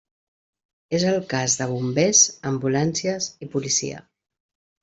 És el cas de Bombers, Ambulàncies i Policia.